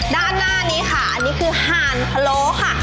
ด้านหน้านี้ค่ะอันนี้คือห่านพะโล้ค่ะ